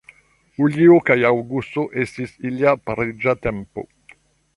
Julio kaj aŭgusto estas ilia pariĝa tempo.